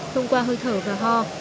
thông qua hơi thở và ho